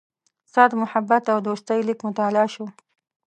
ستا د محبت او دوستۍ لیک مطالعه شو.